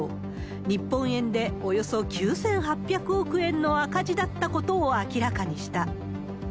日本円でおよそ９８００億円の赤字だったことを明らかにした。